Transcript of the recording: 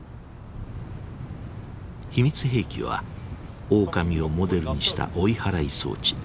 秘密兵器はオオカミをモデルにした追い払い装置。